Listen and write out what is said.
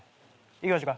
行きましょか。